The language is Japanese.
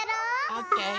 オッケー！